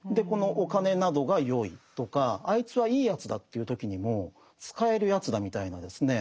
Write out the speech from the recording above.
お金などがよいとかあいつはいいやつだとか言う時にも使えるやつだみたいなですね